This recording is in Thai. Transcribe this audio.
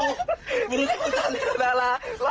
มึงกลับข้าวปากก่อน